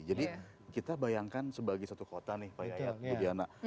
jadi kita bayangkan sebagai satu kota nih pak yaya budiana